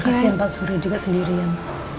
kasian pak suri juga sendiri yang